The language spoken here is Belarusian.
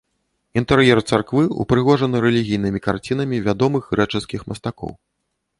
Інтэр'ер царквы ўпрыгожаны рэлігійнымі карцінамі вядомых грэчаскіх мастакоў.